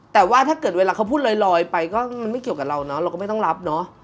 แต่ว่าถ้าเกิดเวลาเขาพูดลอยไปก็มันไม่เกี่ยวกับเราเนอะเราก็ไม่ต้องรับเนอะ